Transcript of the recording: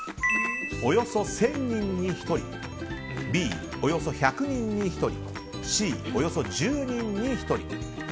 Ａ、およそ１０００人に１人Ｂ、およそ１００人に１人Ｃ、およそ１０人に１人。